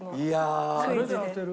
それで当てる？